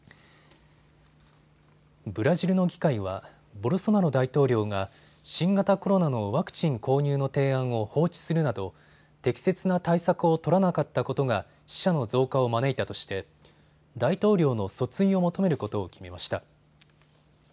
ブラジルの議会はボルソナロ大統領が新型コロナのワクチン購入の提案を放置するなど適切な対策を取らなかったことが死者の増加を招いたとして大統領の訴追を求めることを決めました。